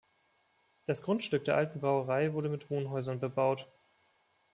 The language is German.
Das Grundstück der alten Brauerei wurde mit Wohnhäusern bebaut.